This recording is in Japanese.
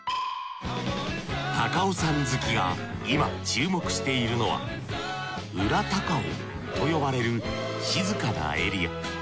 高尾山好きが今注目しているのは裏高尾と呼ばれる静かなエリア。